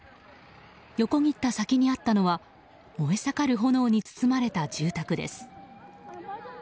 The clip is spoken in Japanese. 横切った先にあったのは燃え盛る炎に包まれた住宅です。